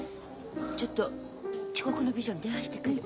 ちょっと遅刻の美女に電話してくる。